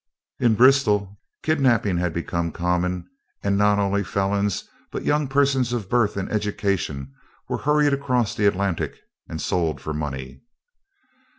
In Bristol, kidnapping had become common, and not only felons, but young persons of birth and education were hurried across the Atlantic and sold for money.